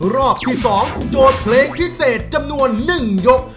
รอบที่๒โจทย์เพลงพิเศษจำนวน๑ยก